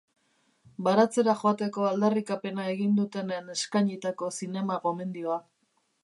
Baratzera joateko aldarrikapena egin dutenen eskainitako zinema-gomendioa.